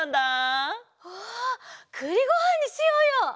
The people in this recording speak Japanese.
わあくりごはんにしようよ！